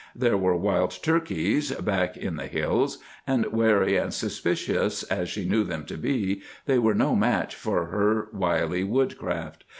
There were wild turkeys back in the hills, and wary and suspicious as she knew them to be, they were no match for her wily woodcraft.